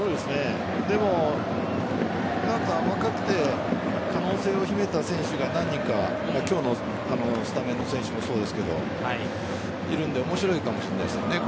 でも若くて可能性を秘めた選手が何人か今日のスタメンの選手もそうですがいるので面白いかもしれないですね。